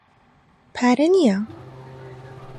پارە نییە.